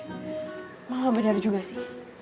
emang gak bener juga sih